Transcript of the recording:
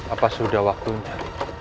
apa sudah waktunya